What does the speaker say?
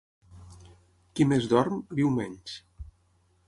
Qui més dorm, viu menys.